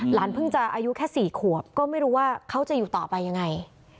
เพิ่งจะอายุแค่๔ขวบก็ไม่รู้ว่าเขาจะอยู่ต่อไปยังไง